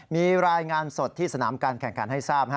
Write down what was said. มีรายงานสดที่สนามการแข่งขันให้ทราบ